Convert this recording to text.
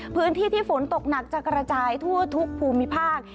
พื้นที่ที่ฝนตกหนักจะกระจายทั่วทุกภูมิภาค